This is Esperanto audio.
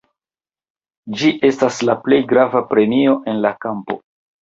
Ĝi estas la plej grava premio en la kampo.